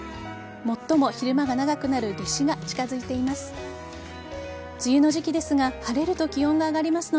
最も昼間が長くなる夏至が近づいています。